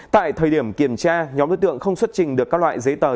tại thời điểm kiểm tra nhóm đối tượng không xuất trình được các loại giấy tờ